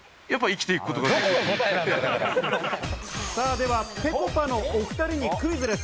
では、ぺこぱのお２人にクイズです。